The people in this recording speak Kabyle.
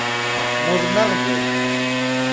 Nuḍen aɣbel.